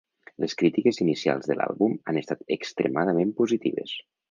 Les crítiques inicials de l'àlbum han estat extremadament positives.